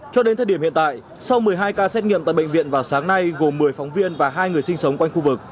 cho đến thời điểm hiện tại sau một mươi hai ca xét nghiệm tại bệnh viện vào sáng nay gồm một mươi phóng viên và hai người sinh sống quanh khu vực